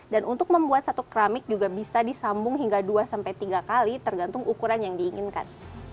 dan untuk membuat satu keramik juga bisa disambung hingga dua tiga kali tergantung ukuran yang diinginkan